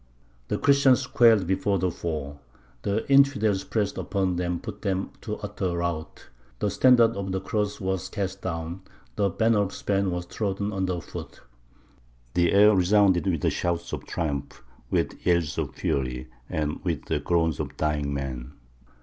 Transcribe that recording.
The Christians quailed before the foe. The infidels pressed upon them and put them to utter rout; the standard of the Cross was cast down, the banner of Spain was trodden under foot; the air resounded with shouts of triumph, with yells of fury, and with the groans of dying men.